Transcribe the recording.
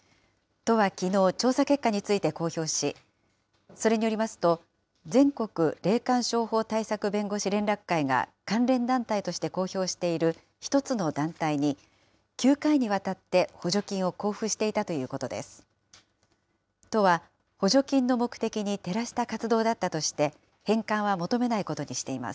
都はきのう、調査結果について公表し、それによりますと、全国霊感商法対策弁護士連絡会が関連団体として公表している１つの団体に、９回にわたって補助金を交付していたということです。